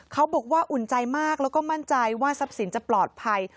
เขาบอกว่าอุ่นใจมากแล้วก็มั่นใจว่าทรัพย์สินจะปลอดภัย